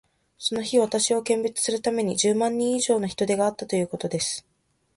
その日、私を見物するために、十万人以上の人出があったということです。